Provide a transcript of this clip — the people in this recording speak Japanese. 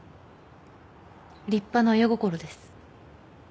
立派な親心です。